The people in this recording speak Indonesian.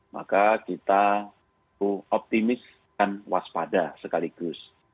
maka kita optimis dan waspada sekaligus